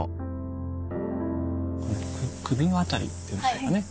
首の辺りっていうんでしょうかね。